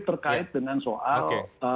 terkait dengan soal